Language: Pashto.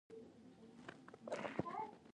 لاندینۍ برخې یې د بطنونو په نامه یادېږي.